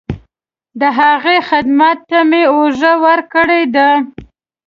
د هغې خدمت ته مې اوږه ورکړې ده.